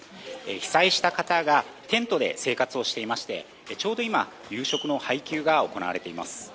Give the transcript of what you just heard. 被災した方がテントで生活をしていましてちょうど今夕食の配給が行われています。